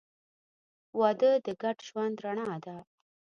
• واده د ګډ ژوند رڼا ده.